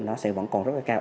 nó sẽ vẫn còn rất là cao